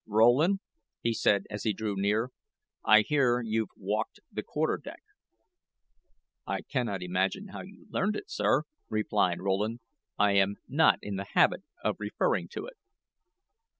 "Rowland," he said as he drew near; "I hear you've walked the quarter deck." "I cannot imagine how you learned it, sir," replied Rowland; "I am not in the habit of referring to it."